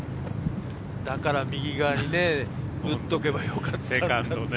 だから右側に打っとけばよかった。